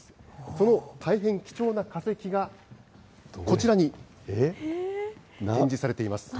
その大変貴重な化石がこちらに展示されています。